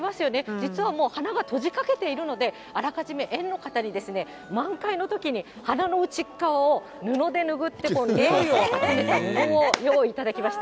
実はもう、花が閉じかけているので、あらかじめ、園の方に満開のときに花の内っ側を布で拭って、臭いをご用意いただきました。